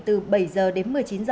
từ bảy h đến một mươi chín h